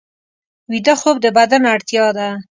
ویده خوب د بدن اړتیا ده